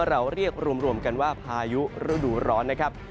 เราเรียกรวมกันว่าพายุฤดูร้อนนะครับ